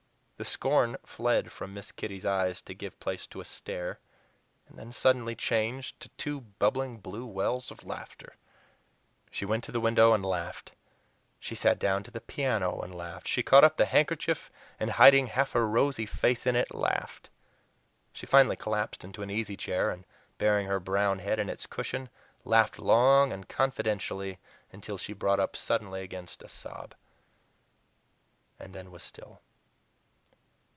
The scorn fled from Miss Kitty's eyes to give place to a stare, and then suddenly changed to two bubbling blue wells of laughter. She went to the window and laughed. She sat down to the piano and laughed. She caught up the handkerchief, and hiding half her rosy face in it, laughed. She finally collapsed into an easy chair, and, burying her brown head in its cushions, laughed long and confidentially until she brought up suddenly against a sob. And then was still.